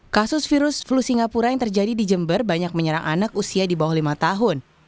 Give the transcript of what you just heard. kasus virus flu singapura yang terjadi di jember banyak menyerang anak usia di bawah lima tahun